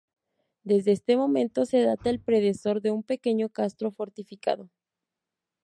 Desde este momento se data el predecesor de un pequeño castro fortificado.